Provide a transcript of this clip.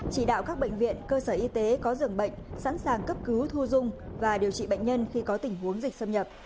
chỉ đạo các bệnh viện cơ sở y tế có dường bệnh sẵn sàng cấp cứu thu dung và điều trị bệnh nhân khi có tình huống dịch xâm nhập